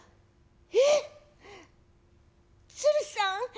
「えっ鶴さん